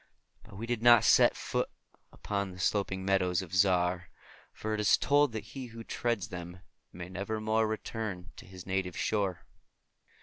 But we did not set foot upon the sloping meadows of Zar, for it is told that he who treads them may nevermore return to his native shore.